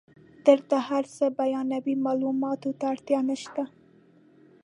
درته هر څه بیانوي معلوماتو ته اړتیا نشته.